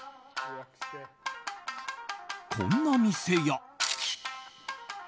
こんな店や。